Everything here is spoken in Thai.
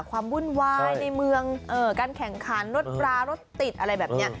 วุ่นวายในเมืองการแข่งขันรถรารถติดอะไรแบบนี้